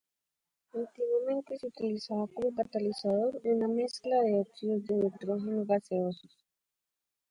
Antiguamente se utilizaba como catalizador una mezcla de óxidos de nitrógeno gaseosos.